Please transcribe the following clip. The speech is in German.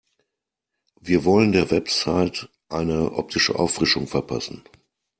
Wir wollen der Website eine optische Auffrischung verpassen.